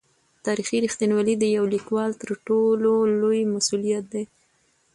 تاریخي رښتینولي د یو لیکوال تر ټولو لوی مسوولیت دی.